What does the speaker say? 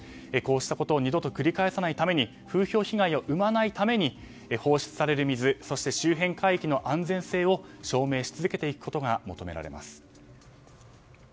こうしたことを二度と繰り返さないために風評被害を生まないために放出される水そして周辺海域の安全性を証明し続けていくことが求められます。